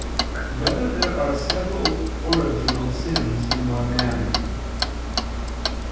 2] Whether There Are Several Original Sins in One Man?